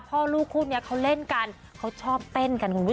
พ่อลูกคู่นี้เขาเล่นกันเขาชอบเต้นกันคุณผู้ชม